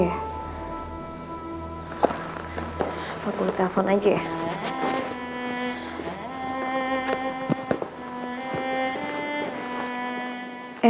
apa gue telepon aja ya